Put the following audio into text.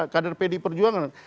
kadar pdi perjuangan